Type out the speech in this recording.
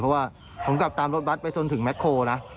เพราะว่าผมกลับตามรถบัตรไปจนถึงแม็กโคลนะ